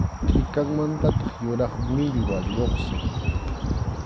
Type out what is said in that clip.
Tʼikanmantataq yuraq millwa lluqsin.